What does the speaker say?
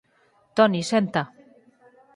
Toni, senta!